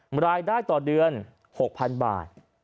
รายได้ต่อเดือน๖๐๐๐บาท